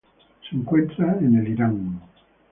Se encuentra en el Irán.